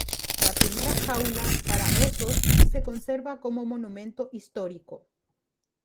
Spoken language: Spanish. La primera jaula para osos se conserva como monumento histórico.